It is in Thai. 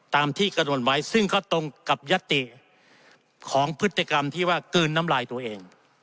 ตามที่กระดวนไว้ซึ่งก็ตรงกับยติของพฤติกรรมที่ว่ากลืนน้ำลายตัวเอง